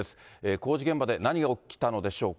工事現場で何が起きたのでしょうか。